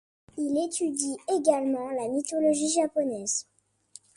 Il étudie également la mythologie japonaise.